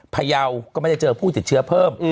พยาวก็ไม่ได้เจอผู้ติดเชื้อเพิ่ม